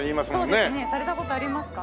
そうですねされた事ありますか？